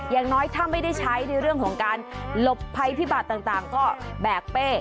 อย่างน้อยถ้าไม่ได้ใช้ในเรื่องของการหลบภัยพิบัตรต่างก็แบกเป้